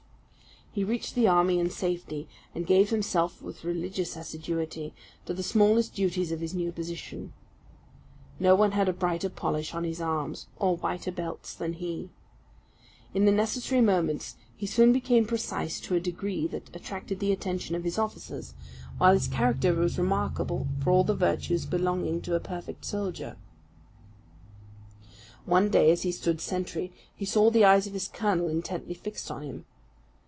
He reached the army in safety, and gave himself, with religious assiduity, to the smallest duties of his new position. No one had a brighter polish on his arms, or whiter belts than he. In the necessary movements, he soon became precise to a degree that attracted the attention of his officers; while his character was remarkable for all the virtues belonging to a perfect soldier. One day, as he stood sentry, he saw the eyes of his colonel intently fixed on him.